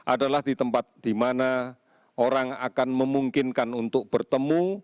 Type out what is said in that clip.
adalah di tempat di mana orang akan memungkinkan untuk bertemu